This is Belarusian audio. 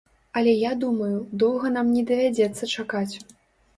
Але я думаю, доўга нам не давядзецца чакаць.